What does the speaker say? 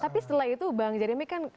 tapi setelah itu bang jeremy kan